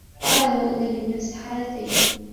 وَاعْلَمْ أَنَّ لِلنَّفْسِ حَالَتَيْنِ